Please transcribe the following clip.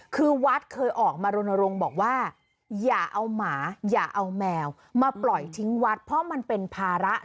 คือวัดเคยออกมารณรงค์บอกว่าอย่าเอาหมาอย่าเอาแมวมาปล่อยทิ้งวัดเพราะมันเป็นภาระ